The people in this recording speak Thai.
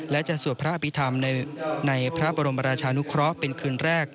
และจะสวัสดิ์พระพิธามในพระบรมราชานุคร้อเป็นคืนแรก